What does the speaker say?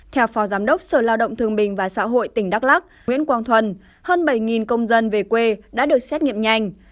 theo phó giám đốc sở lao động thương bình và xã hội tỉnh đắk lắc nguyễn quang thuần hơn bảy công dân về quê đã được xét nghiệm nhanh